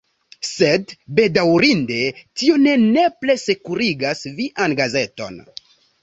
Sed, bedaŭrinde, tio ne nepre sekurigas vian gazeton.